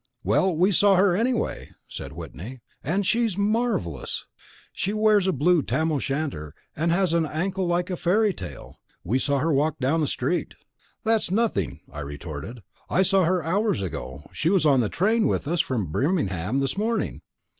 "Well, we saw her, anyway!" said Whitney, "and she's marvellous! She wears a blue tam o' shanter and has an ankle like a fairy tale. We saw her walk down the street." "That's nothing," I retorted, "I saw her hours ago. She was on the train with us from Birmingham this morning."